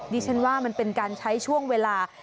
ดิฉันว่ามันเป็นการใช้ช่วงเวลา